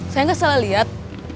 saya gak salah liat